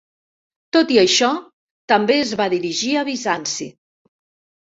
Tot i això, també es va dirigir a Bizanci.